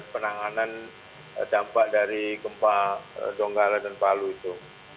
penanganan dampak dari gempa donggala dan palu itu